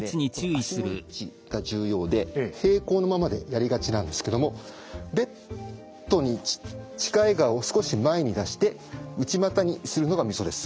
足の位置が重要で平行のままでやりがちなんですけどもベッドに近い側を少し前に出して内股にするのがみそです。